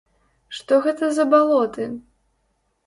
Што гэта за балоты?